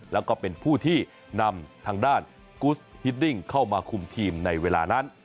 แล้วก็เป็นผู้ที่นำทางด้านกูสฮิตดิ้งเข้ามาคุมทีมในเวลานั้น